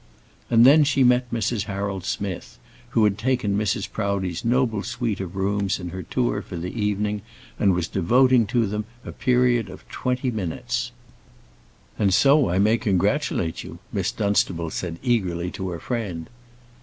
And then she met Mrs. Harold Smith, who had taken Mrs. Proudie's noble suite of rooms in her tour for the evening, and was devoting to them a period of twenty minutes. "And so I may congratulate you," Miss Dunstable said eagerly to her friend.